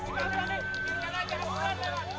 ini keluarga keluarganya pak